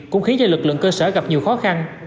cũng khiến cho lực lượng cơ sở gặp nhiều khó khăn